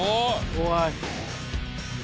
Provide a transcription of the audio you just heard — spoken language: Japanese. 怖い。